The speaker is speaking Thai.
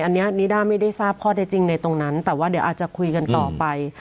อันนี้นิด้าไม่ได้ทราบข้อได้จริงในตรงนั้นแต่ว่าเดี๋ยวอาจจะคุยกันต่อไป